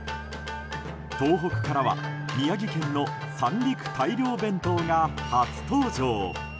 東北からは宮城県の三陸大漁弁当が初登場。